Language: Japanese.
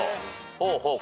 ほうほう。